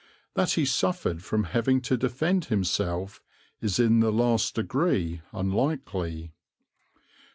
That he suffered from having to defend himself is in the last degree unlikely.